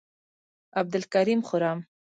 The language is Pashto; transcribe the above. عبدالکریم خرم،